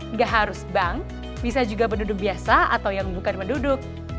nggak harus bank bisa juga penduduk biasa atau yang bukan penduduk